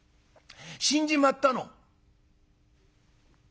「死んじまったの」。